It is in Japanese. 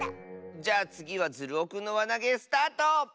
じゃあつぎはズルオくんのわなげスタート！